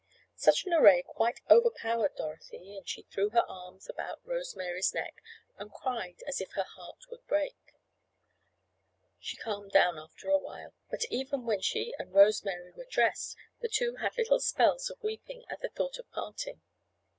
Such an array quite overpowered Dorothy and she threw her arms about Rose Mary's neck and cried as if her heart would break. She calmed down after a while, but even when she and Rose Mary were dressed the two had little spells of weeping at the thought of parting.